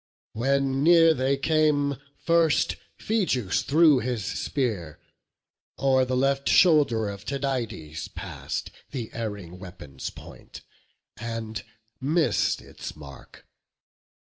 When near they came, first Phegeus threw his spear; O'er the left shoulder of Tydides pass'd The erring weapon's point, and miss'd its mark.